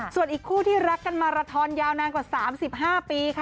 ส่วนอีกคู่ที่รักกันมาราทอนยาวนานกว่า๓๕ปีค่ะ